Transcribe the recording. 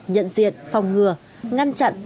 nhận diệt phòng ngừa ngăn chặn